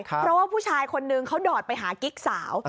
เพราะว่าผู้ชายคนนึงเขาดอดไปหากิ๊กสาว